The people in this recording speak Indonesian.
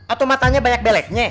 atau matanya banyak belek nya